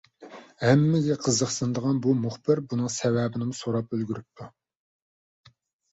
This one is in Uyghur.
ھەممىگە قىزىقسىنىدىغان بۇ مۇخبىر بۇنىڭ سەۋەبىنىمۇ سوراپ ئۈلگۈرۈپتۇ.